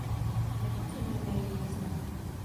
Nepodceňujme její význam.